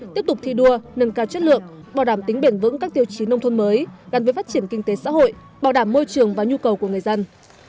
tiếp tục thi đua nâng cao chất lượng bảo đảm tính bền vững các tiêu chí nông thôn mới gắn với phát triển kinh tế xã hội bảo đảm môi trường và nhu cầu của người dân